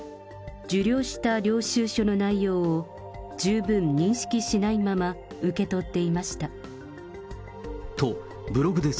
受領した領収書の内容を十分認識しないまま、受け取っていました。